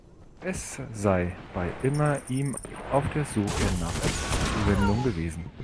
Es sei bei immer ihm auf der Suche nach etwas Zuwendung gewesen.